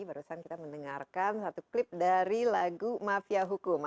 barusan kita mendengarkan satu klip dari lagu mafia hukum